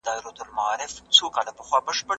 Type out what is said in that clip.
ارواپوهنه عملي ګټه لري.